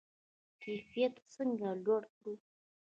کیفیت څنګه لوړ کړو؟